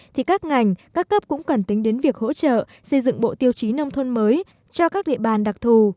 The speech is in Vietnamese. thì các ngành các cấp cũng cần tính đến việc hỗ trợ xây dựng bộ tiêu chí nông thôn mới cho các địa bàn đặc thù